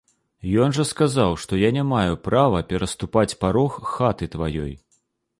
Ён жа сказаў, што я не маю права пераступаць парог хаты тваёй.